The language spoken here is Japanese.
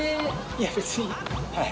いや別にはい。